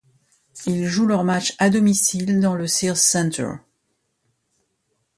Ils jouent leurs matches à domicile dans le Sears Centre.